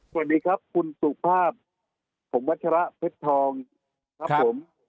สวัสดีครับคุณสุภาพผมวัชระเพชรทองครับผม